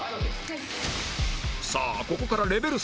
さあここからレベル３